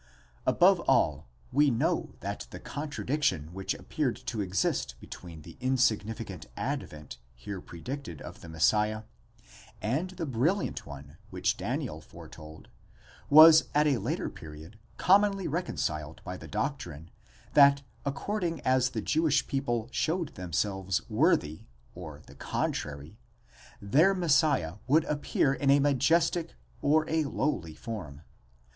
# Above all, we know that the contradiction which appeared to exist between the insignificant advent here predicted of the Messiah, and the brilliant one which Daniel had foretold, was at a later period commonly reconciled by the doctrine, that according as the Jewish people showed themselves worthy or the contrary, their Messiah would appear in a majestic or a lowly form.